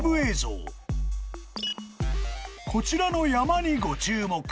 ［こちらの山にご注目］